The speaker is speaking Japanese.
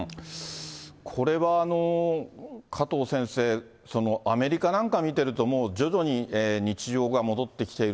これは加藤先生、アメリカなんか見てると、もう徐々に日常が戻ってきている。